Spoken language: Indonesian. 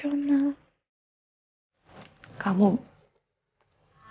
kamu menolak pernikahan itu kan